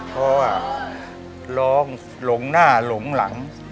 เพราะว่าร้องหลงหน้าหลงหลัง